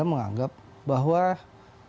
berita terkini mengambil dari jenderal badrodin